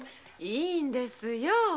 いいんですよ。